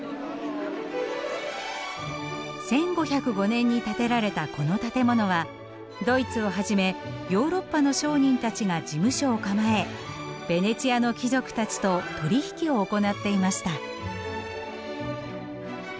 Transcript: １５０５年に建てられたこの建物はドイツをはじめヨーロッパの商人たちが事務所を構えベネチアの貴族たちと取り引きを行っていました。